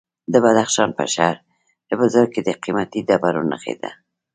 د بدخشان په شهر بزرګ کې د قیمتي ډبرو نښې دي.